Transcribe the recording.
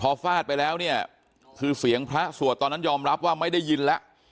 พอฟาดไปแล้วเนี่ยคือเสียงพระสวดตอนนั้นยอมรับว่าไม่ได้ยินแล้ว